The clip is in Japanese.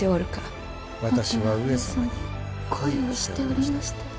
私は上様に恋をしておりましたよ。